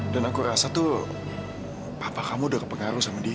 dan aku rasa tuh bapak kamu udah kepengaruh sama dia